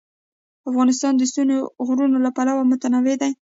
افغانستان د ستوني غرونه له پلوه متنوع دی.